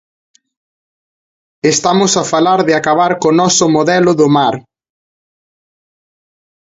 Estamos a falar de acabar co noso modelo do mar.